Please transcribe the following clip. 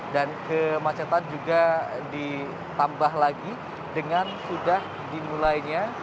dan kemacetan juga ditambah lagi dengan sudah dimulainya